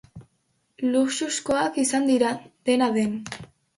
Luxuzkoak izango dira, dena den.